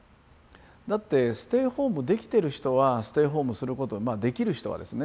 だってステイホームできてる人はステイホームすることができる人はですね